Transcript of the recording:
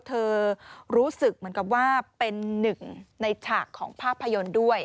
เธอรู้สึกเหมือนกับว่าเป็นหนึ่งในฉากของภาพยนตร์ด้วย